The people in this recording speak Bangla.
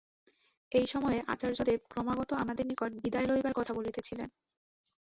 এই সময়ে আচার্যদেব ক্রমাগত আমাদের নিকট বিদায় লইবার কথা বলিতেছিলেন।